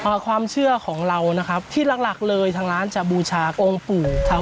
น้ำสุดมากคือขึ้นชื่อเลยที่ลูกค้าสั่งประจำคือสามสหายโซดา